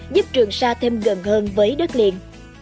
giúp trường xa thêm gần hơn với đất liền